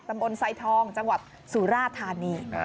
ตำบลไซทองจังหวัดสุราธารณี